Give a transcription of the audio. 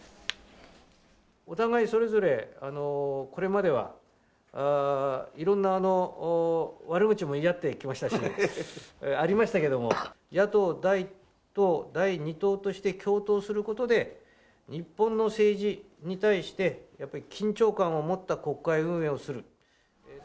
お互いそれぞれ、これまではいろんな悪口も言い合ってきましたし、ありましたけども、野党第１党、第２党として共闘することで、日本の政治に対して、やっぱり緊張感を持った国会運営をする。